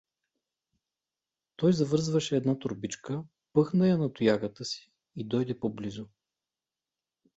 Той завързваше една торбичка, пъхна я на тоягата си и доде по-близо.